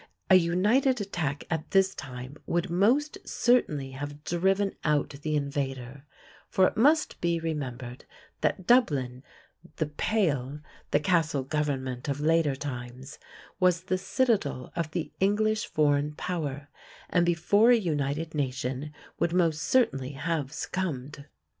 A united attack at this time would most certainly have driven out the invader; for it must be remembered that Dublin, the "Pale" "the Castle government" of later times was the citadel of the English foreign power, and before a united nation would most certainly have succumbed.